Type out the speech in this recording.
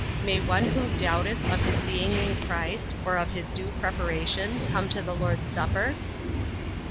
May one who doubteth of his being in Christ, or of his due preparation, come to the Lord's supper?